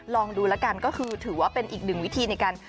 ลองดูแล้วกันก็คือถือว่าเป็นอีกหนึ่งวิธีในการ